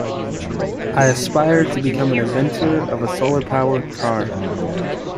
I aspire to become an inventor of a solar-powered car.